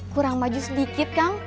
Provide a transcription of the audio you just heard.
kurang maju sedikit kang